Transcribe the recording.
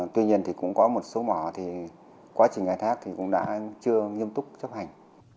tuy nhiên thì cũng có một số mỏ thì quá trình khai thác thì cũng đã chưa nghiêm túc chấp hành